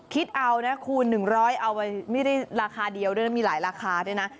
คิดเอานะคูณ๑๐๐เอาไว้ไม่ได้ราคาเดียวด้วยนะมีหลายราคาด้วยนะ